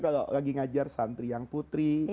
kalau lagi ngajar santri yang putri